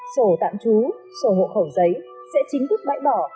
sổ tạm trú sổ hộ khẩu giấy sẽ chính thức bãi bỏ